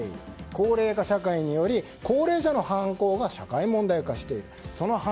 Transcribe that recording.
高齢化社会により高齢者の犯罪が社会問題化している。